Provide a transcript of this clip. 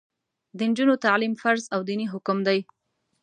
د نجونو تعلیم فرض او دیني حکم دی.